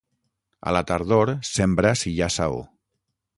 A la tardor sembra si hi ha saó.